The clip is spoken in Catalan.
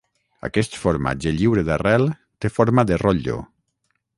Aquest formatge lliure d'arrel té forma de rotllo.